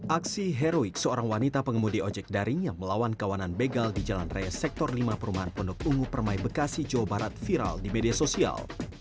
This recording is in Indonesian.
aksi heroik seorang wanita pengemudi ojek daring yang melawan kawanan begal di jalan raya sektor lima perumahan pondok ungu permai bekasi jawa barat viral di media sosial